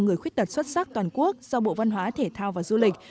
người khuyết tật xuất sắc toàn quốc do bộ văn hóa thể thao và du lịch